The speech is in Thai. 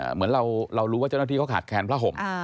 เหมือนเรารู้ว่าเจ้าหน้าที่เขาขาดแคนผ้าห่ม